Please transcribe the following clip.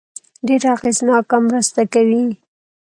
ډېره اغېزناکه مرسته کوي.